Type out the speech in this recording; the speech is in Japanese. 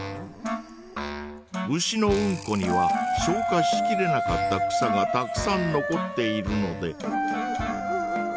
ウシのうんこには消化しきれなかった草がたくさん残っているので。